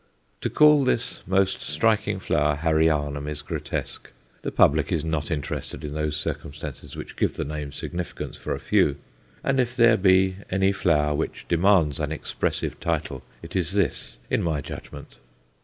To call this most striking flower "Harryanum" is grotesque. The public is not interested in those circumstances which give the name significance for a few, and if there be any flower which demands an expressive title, it is this, in my judgment.